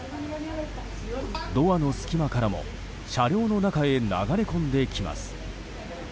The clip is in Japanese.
ドアの隙間からも車両の中へ流れ込んできます。